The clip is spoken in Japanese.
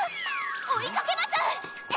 追いかけます！